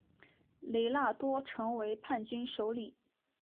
雷纳多成为叛军首领。